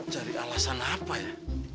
cari alasan apa ya